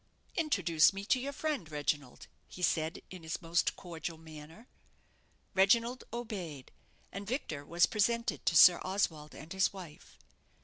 "Introduce me to your friend, Reginald," he said, in his most cordial manner. Reginald obeyed, and Victor was presented to Sir Oswald and his wife.